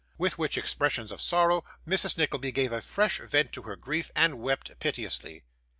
With which expressions of sorrow, Mrs. Nickleby gave fresh vent to her grief, and wept piteously.